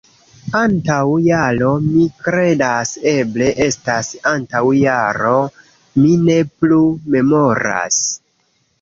Antaŭ jaro, mi kredas... eble estas antaŭ jaro. Mi ne plu memoras